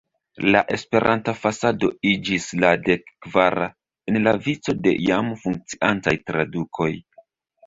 La Esperanta fasado iĝis la dek-kvara en la vico de jam funkciantaj tradukoj.